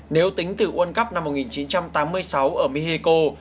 nếu tính từ world cup năm một nghìn chín trăm tám mươi sáu ở mexico